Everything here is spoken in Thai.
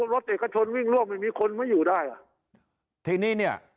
รถเอกชนวิ่งร่วมไม่มีคนไม่อยู่ได้อ่ะทีนี้เนี่ย